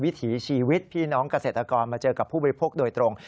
วิถีชีวิตพี่น้องเกษตรกรมาเจอกับผู้บริโภคโดยตรง